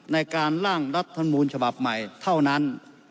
ร่างรัฐมนูญฉบับใหม่เท่านั้น